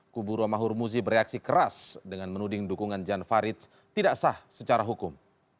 kubu romahur muzi bereaksi keras dengan menuding dukungan jan faridz tidak sah secara hukum